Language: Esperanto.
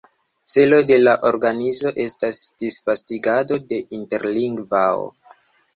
Celo de la organizo estas disvastigado de interlingvao.